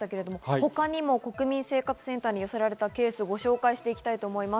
他にも国民生活センターに寄せられたケースをご紹介します。